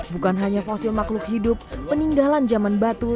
bukan hanya fosil makhluk hidup peninggalan zaman batu